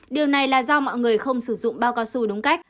điều này là do mọi người không sử dụng bao cao su đúng cách